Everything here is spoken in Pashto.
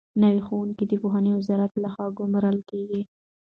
نوي ښوونکي د پوهنې وزارت لخوا ګومارل کېږي.